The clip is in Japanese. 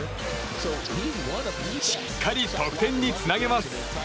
しっかり得点につなげます。